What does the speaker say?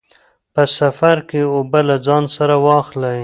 په سفر کې اوبه له ځان سره واخلئ.